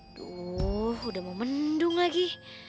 aduh udah mau mendung lagi